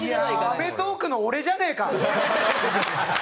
『アメトーーク』の俺じゃねえか！